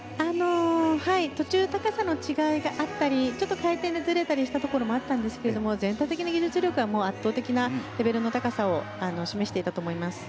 途中高さの違いがあったりちょっと回転がずれたりしたところもあったんですけど全体的の技術力は圧倒的なレベルの高さを示していたと思います。